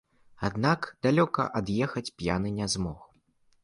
Аднак далёка ад'ехаць п'яны не змог.